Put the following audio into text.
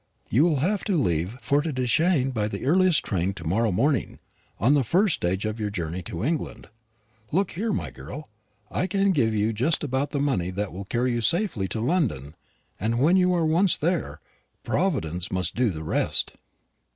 You will have to leave Forêtdechêne by the earliest train to morrow morning, on the first stage of your journey to England. Look here, my girl! I can give you just about the money that will carry you safely to London; and when you are once there, Providence must do the rest."